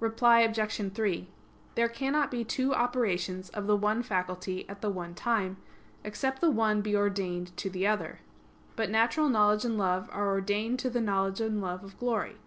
Reply Obj. 3: There cannot be two operations of the one faculty at the one time, except the one be ordained to the other. But natural knowledge and love are ordained to the knowledge and love of glory.